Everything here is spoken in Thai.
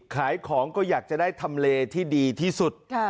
ขายของก็อยากจะได้ทำเลที่ดีที่สุด